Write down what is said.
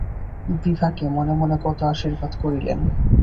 বিভাকে মনে মনে কত আশীর্বাদ করিলেন।